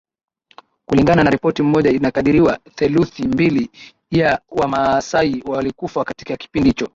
Kulingana na ripoti moja inakadiriwa theluthi mbili ya Wamaasai walikufa katika kipindi hicho